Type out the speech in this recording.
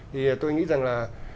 thì tôi nghĩ rằng là